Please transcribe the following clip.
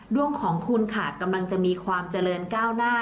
ดวงของคุณค่ะกำลังจะมีความเจริญก้าวหน้า